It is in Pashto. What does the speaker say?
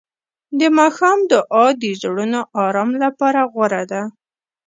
د ماښام دعا د زړونو آرام لپاره غوره ده.